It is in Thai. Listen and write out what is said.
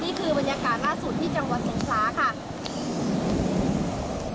นี่คือบรรยากาศล่าสุดที่จังหวัดทรงคลาค่ะ